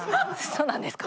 そうなんですか？